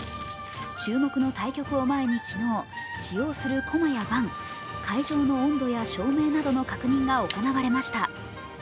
注目の対局を前に昨日、使用する駒や盤、会場の温度や照明などの確認が行われました。